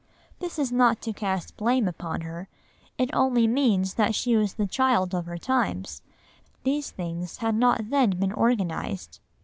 This is not to cast blame upon her, it only means that she was the child of her times; these things had not then been organised.